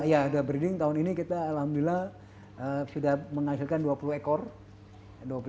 ya sudah breeding tahun ini kita alhamdulillah sudah menghasilkan dua puluh ekor